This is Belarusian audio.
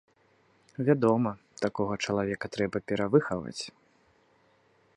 Вядома, такога чалавека трэба перавыхаваць.